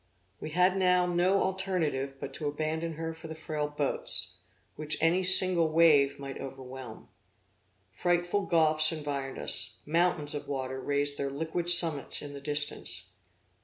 We had now no alternative but to abandon her for the frail boats, which any single wave might overwhelm. Frightful gulfs environed us; mountains of water raised their liquid summits in the distance.